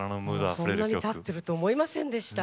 そんなにたってると思いませんでした。